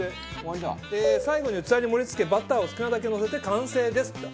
最後に器に盛り付けバターを好きなだけのせて完成ですって。